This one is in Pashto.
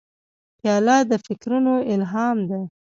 پیاله د فکرونو الهام ده.